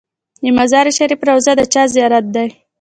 د مزار شریف روضه د چا زیارت دی؟